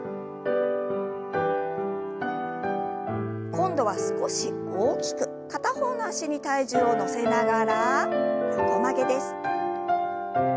今度は少し大きく片方の脚に体重を乗せながら横曲げです。